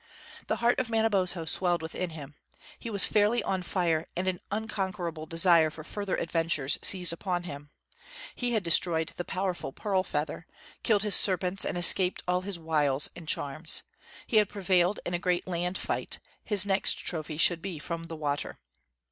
The heart of Manabozho swelled within him. He was fairly on fire and an unconquerable desire for further adventures seized upon him. He had destroyed the powerful Pearl Feather, killed his serpents, and escaped all his wiles and charms. He had prevailed in a great land fight, his next trophy should be from the water.